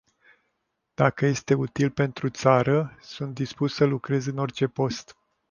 Dacă este util pentru țară, sunt dispus să lucrez în orice post.